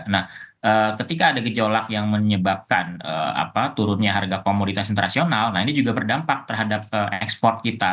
nah ketika ada gejolak yang menyebabkan turunnya harga komoditas internasional nah ini juga berdampak terhadap ekspor kita